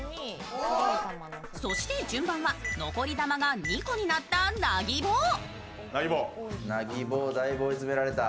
そして、順番は残り球が２個になった、なぎぼぉ。